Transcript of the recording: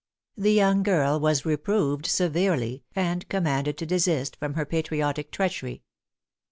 The young girl was reproved severely, and commanded to desist from her patriotic treachery.